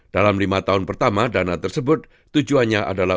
dalam lima tahun pertama dana tersebut tujuannya adalah